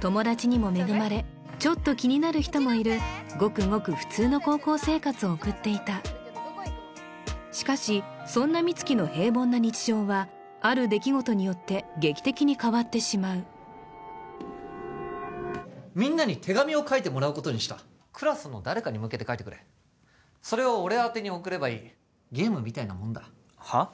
友達にも恵まれちょっと気になる人もいるごくごく普通の高校生活を送っていたしかしそんな美月の平凡な日常はある出来事によって劇的に変わってしまうみんなに手紙を書いてもらうことにしたクラスの誰かに向けて書いてくれそれを俺宛てに送ればいいゲームみたいなもんだはっ？